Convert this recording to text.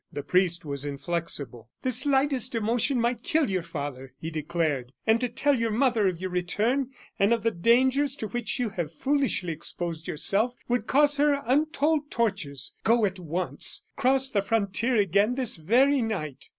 The priest was inflexible. "The slightest emotion might kill your father," he declared; "and to tell your mother of your return, and of the dangers to which you have foolishly exposed yourself, would cause her untold tortures. Go at once. Cross the frontier again this very night."